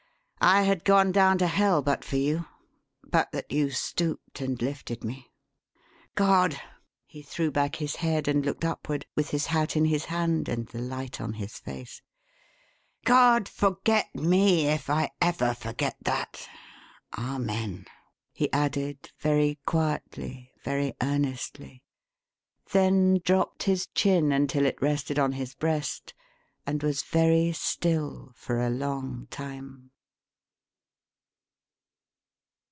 I had gone down to hell but for you but that you stooped and lifted me. God!" he threw back his head and looked upward, with his hat in his hand and the light on his face "God, forget me if ever I forget that. Amen!" he added, very quietly, very earnestly; then dropped his chin until it rested on his breast, and was very still for a long time.